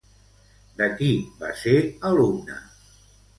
De qui va ser alumna?